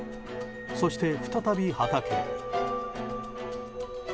そして、再び畑へ。